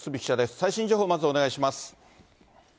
最新情報をまずお願いします。